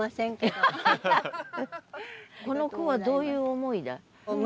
この句はどういう思いで？